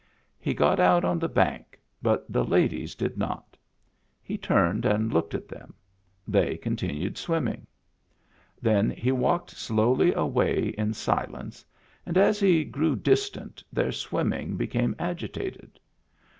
He got out on the bank, but the ladies did not. He turned and looked at them ; they continued swimming. Then he walked slowly away in silence, and as he grew distant their swimming became agitated.